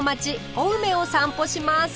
青梅を散歩します